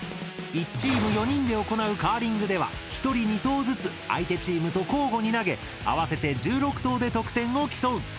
１チーム４人で行うカーリングでは１人２投ずつ相手チームと交互に投げ合わせて１６投で得点を競う。